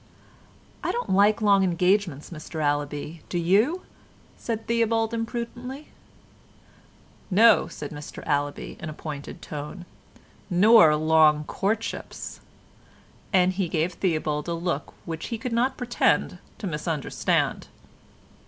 "I don't like long engagements, Mr Allaby, do you?" said Theobald imprudently. "No," said Mr Allaby in a pointed tone, "nor long courtships," and he gave Theobald a look which he could not pretend to misunderstand.